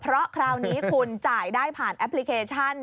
เพราะคราวนี้คุณจ่ายได้ผ่านแอปพลิเคชัน